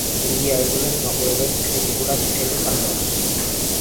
იგი აიძულებს მაყურებელს კრიტიკულად შეხედოს ამბავს.